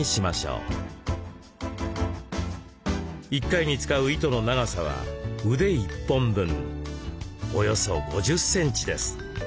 １回に使う糸の長さは腕１本分およそ５０センチです。